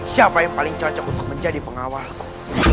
siapa yang paling cocok untuk menjadi pengawalku